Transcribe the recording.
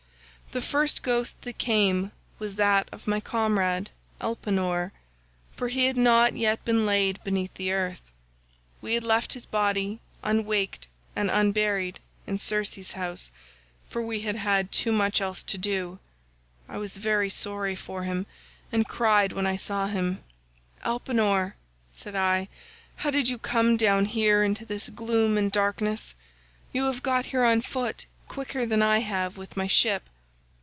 "The first ghost that came was that of my comrade Elpenor, for he had not yet been laid beneath the earth. We had left his body unwaked and unburied in Circe's house, for we had had too much else to do. I was very sorry for him, and cried when I saw him: 'Elpenor,' said I, 'how did you come down here into this gloom and darkness? You have got here on foot quicker than I have with my ship.